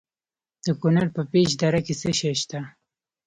د کونړ په پيچ دره کې څه شی شته؟